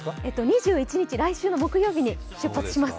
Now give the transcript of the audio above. ２１日、来週の木曜日に出発します。